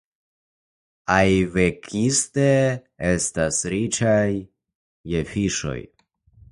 Aiviekste estas riĉa je fiŝoj.